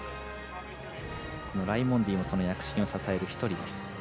ライモンディもその躍進を支える１人です。